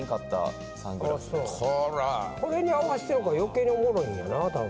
これに合わしてるから余計におもろいんやろな多分。